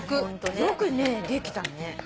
よくねできたね。